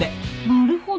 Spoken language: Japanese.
なるほど。